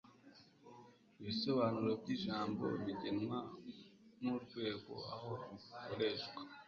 ibisobanuro byijambo bigenwa nurwego aho rukoreshwa